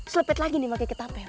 selepet lagi nih pake ketapel